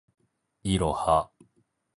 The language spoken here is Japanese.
いろは